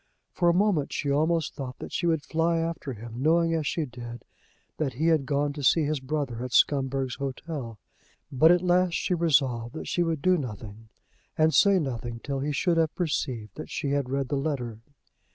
For a moment she almost thought that she would fly after him, knowing, as she did, that he had gone to see his brother at Scumberg's Hotel. But at last she resolved that she would do nothing and say nothing till he should have perceived that she had read the letter.